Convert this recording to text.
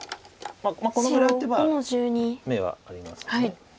まあこのぐらい打てば眼はあります。